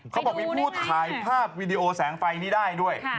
เขาบอกมีผู้ถ่ายภาพวิดีโอแสงไฟนี้ได้ด้วย